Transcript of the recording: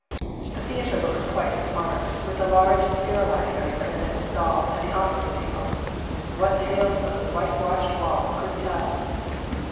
The theatre looks quite smart, with the large sterilisers that have been installed and the operating table. What tales those whitewashed walls could tell!